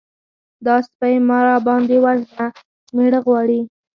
_دا سپۍ مه راباندې وژنه! مېړه غواړي.